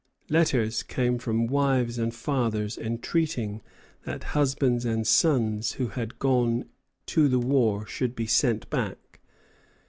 Letters came from wives and fathers entreating that husbands and sons who had gone to the war should be sent back.